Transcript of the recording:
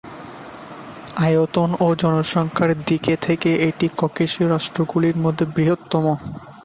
আয়তন ও জনসংখ্যার দিকে থেকে এটি ককেশীয় রাষ্ট্রগুলির মধ্যে বৃহত্তম।